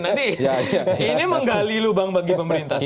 nanti ini menggali lubang bagi pemerintah